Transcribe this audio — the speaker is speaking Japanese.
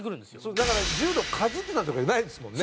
だから柔道かじってたとかじゃないですもんね。